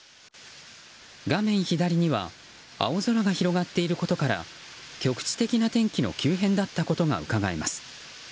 画面左には青空が広がっていることから局地的な天気の急変だったことがうかがえます。